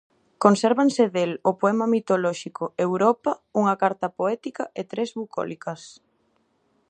Consérvanse del o poema mitolóxico "Europa", unha carta poética e tres bucólicas.